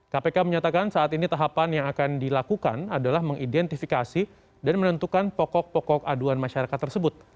kpk menyatakan saat ini tahapan yang akan dilakukan adalah mengidentifikasi dan menentukan pokok pokok aduan masyarakat tersebut